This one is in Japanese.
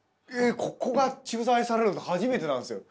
ここが取材されるのって初めてなんですよ。